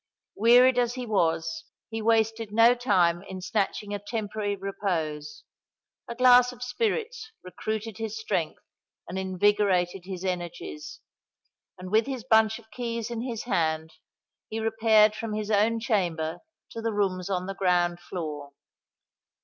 Wearied as he was, he wasted no time in snatching a temporary repose: a glass of spirits recruited his strength and invigorated his energies; and, with his bunch of keys in his hand, he repaired from his own chamber to the rooms on the ground floor.